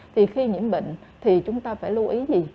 thì khi nhiễm bệnh thì chúng ta phải lưu ý gì